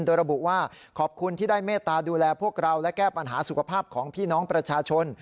โดยระบุว่าขอบคุณที่ได้เมตตาดูแลพวกเราและแก้ปัญหาสุขภาพของพี่น้องประชาชน